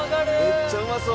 めっちゃうまそう！